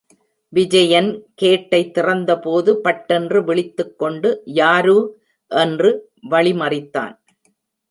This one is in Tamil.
விஜயன் கேட்டை திறந்தபோது பட்டென்று விழித்துக்கொண்டு, யாரு? என்று வழி மறித்தான்.